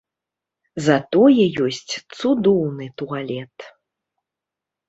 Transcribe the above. Затое ёсць цудоўны туалет.